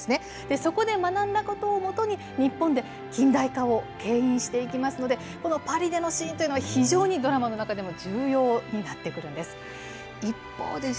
そこで学んだことをもとに、日本で近代化をけん引していきますので、このパリでのシーンというのは、非常にドラマの中でも重要になってくるんです。